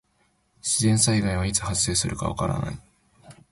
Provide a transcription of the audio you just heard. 自然災害はいつ発生するかわからない。